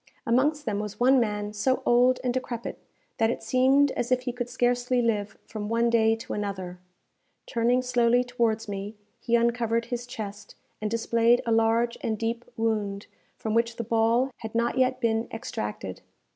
Amongst them was one man so old and decrepit, that it seemed as if he could scarcely live from one day to another. Turning slowly towards me, he uncovered his chest, and displayed a large and deep wound, from which the ball had not yet been extracted.